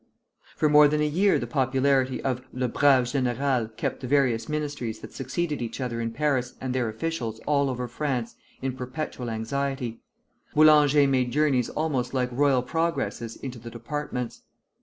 ] For more than a year the popularity of "Le brav' Général" kept the various ministries that succeeded each other in Paris and their officials all over France, in perpetual anxiety. Boulanger made journeys almost like royal progresses into the Departments.